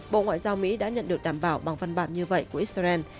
bộ ngoại giao mỹ đã nhận được đảm bảo bằng văn bản như vậy của israel